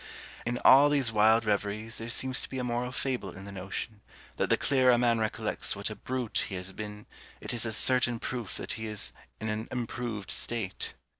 In all these wild reveries there seems to be a moral fable in the notion, that the clearer a man recollects what a brute he has been, it is a certain proof that he is in an improved state!